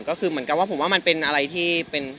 ก็คือเหมือนกับว่าผมว่ามันเป็นอะไรที่เป็น